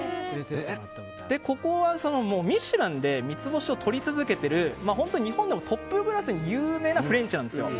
ここは「ミシュラン」で三つ星を取り続けている日本でもトップクラスに有名なフレンチなんですよ。